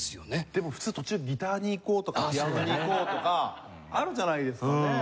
でも普通途中ギターにいこうとかピアノにいこうとかあるじゃないですかね。